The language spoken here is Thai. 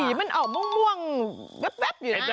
สีมันออกม่วงแป๊บอยู่นะ